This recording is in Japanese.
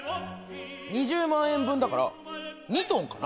２０万円分だから２トンかな。